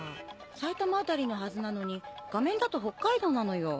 埼玉辺りのはずなのに画面だと北海道なのよ。